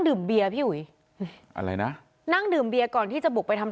ดื่มเบียร์พี่อุ๋ยอะไรนะนั่งดื่มเบียก่อนที่จะบุกไปทำ